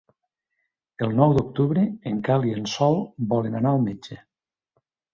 El nou d'octubre en Quel i en Sol volen anar al metge.